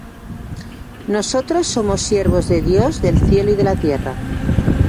Nosotros somos siervos de Dios del cielo y de la tierra.